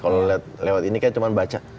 kalau lewat ini kayak cuma baca